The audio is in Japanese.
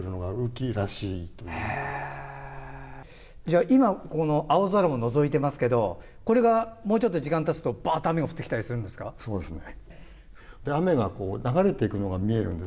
じゃあ、今、この青空ものぞいてますけどこれがもうちょっと時間がたつとバーっと雨が降ってきたりそうですね。